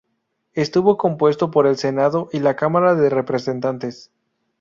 Estuvo compuesto por el Senado y la Cámara de Representantes.